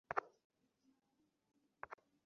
সে রাস্তার এই পাশে কেন?